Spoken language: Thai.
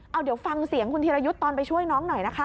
เอาเดี๋ยวฟังเสียงคุณธีรยุทธ์ตอนไปช่วยน้องหน่อยนะคะ